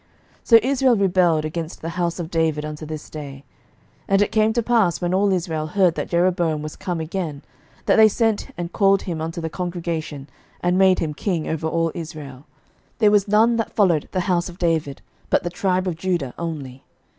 11:012:019 So Israel rebelled against the house of David unto this day. 11:012:020 And it came to pass, when all Israel heard that Jeroboam was come again, that they sent and called him unto the congregation, and made him king over all Israel: there was none that followed the house of David, but the tribe of Judah only.